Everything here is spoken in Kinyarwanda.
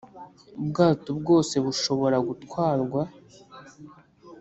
ubwato bwose bushobora gutwara abantu